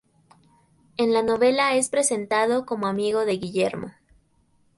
En la novela es presentado como amigo de Guillermo.